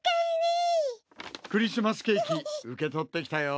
クリスマスケーキ受け取ってきたよ。